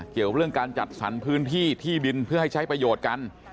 เกี่ยวเรื่องการจัดสรรพื้นที่ที่ดินเพื่อให้ใช้ประโยชน์กัน